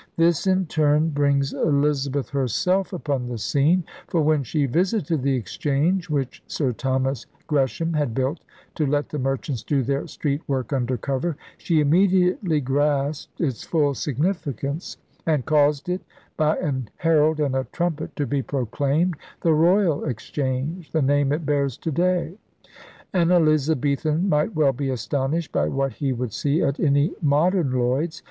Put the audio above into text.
This, in turn, brings Elizabeth herself upon the scene; for when she visited the Exchange, which Sir Thomas Gresham had built to let the merchants do their street work under cover, she immediately grasped its full significance and * caused it by an Herald and a Trumpet to be proclaimed The Royal Exchange,' the name it bears to day. An Eliz abethan might well be astonished by what he would see at any modern Lloyd's.